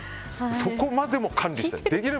そこまでも管理して。